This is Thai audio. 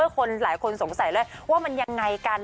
คนหลายคนสงสัยเลยว่ามันยังไงกัน